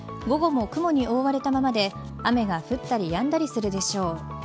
午後も雲に覆われたままで雨が降ったりやんだりするでしょう。